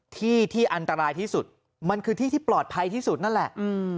ที่ที่อันตรายที่สุดมันคือที่ที่ปลอดภัยที่สุดนั่นแหละ